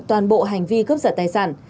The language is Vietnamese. toàn bộ hành vi cướp giật tài sản